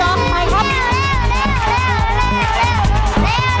เร็วเร็ว